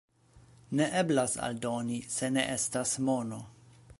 Ne eblas aldoni, se ne estas mono.